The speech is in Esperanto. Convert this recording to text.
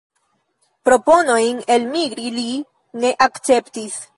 Proponojn elmigri li ne akceptis.